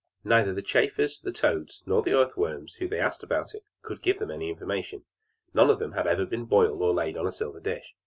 Neither the chafers, the toads, nor the earth worms, whom they asked about it could give them any information none of them had been boiled or laid on a silver dish.